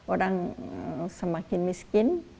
orang semakin miskin